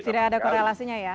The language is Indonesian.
tidak ada korelasinya ya